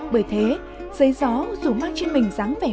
bởi thế giấy gió dù mang trên mình ráng vẹn